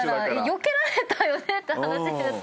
よけられたよねって話になってくる。